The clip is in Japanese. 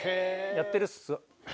やってるっす。